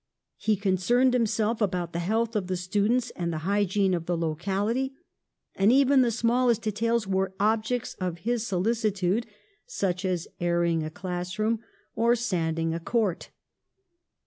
He con cerned himself about the health of the stu dents and the hygiene of the locality, and even the smallest details were objects of his solici tude, such as airing a classroom or sanding a 58 PASTEUR court.